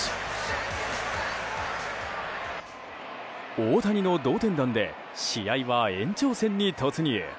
大谷の同点弾で試合は延長戦に突入。